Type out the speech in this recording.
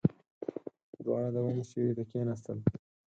دواړه د ونې سيوري ته کېناستل.